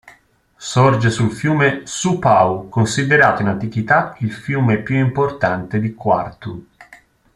Sorge sul fiume Su Pau considerato in antichità il fiume più importante di Quartu.